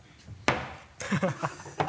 ハハハ